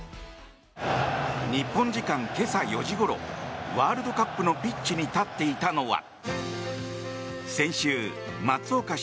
日本時間今朝４時ごろワールドカップのピッチに立っていたのは。